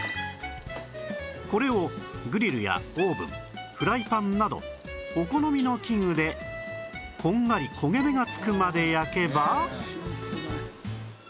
これをグリルやオーブンフライパンなどお好みの器具でこんがり焦げ目が付くまで焼けば